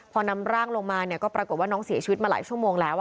พอนำร่างลงมาก็ปรากฏว่าน้องเสียชีวิตมาหลายชั่วโมงแล้ว